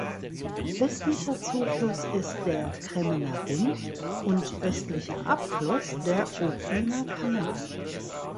Westlicher Zufluss ist der Kremmener Rhin und östlicher Abfluss der Ruppiner Kanal.